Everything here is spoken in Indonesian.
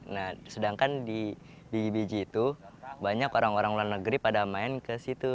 nah sedangkan di biji itu banyak orang orang luar negeri pada main ke situ